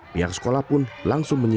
pihak sekolah pun langsung menyisir